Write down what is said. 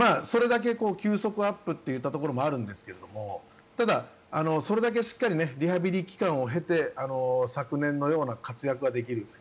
それだけ球速アップというところもあるんですがただ、それだけしっかりリハビリ期間を経て昨年のような活躍ができる。